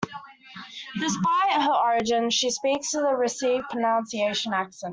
Despite her origins, she speaks with a received pronunciation accent.